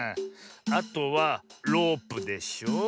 あとはロープでしょ。